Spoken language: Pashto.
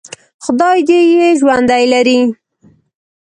خدای دې یې ژوندي لري.